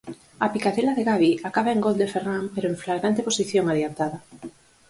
A picadela de Gavi acaba en gol de Ferrán pero en flagrante posición adiantada.